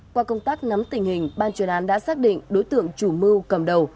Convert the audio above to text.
qua công tác nắm tình hình ban chuyên án đã xác định đối tượng chủ mưu cầm đầu